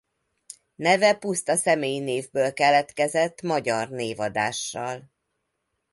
Neve puszta személynévből keletkezett magyar névadással.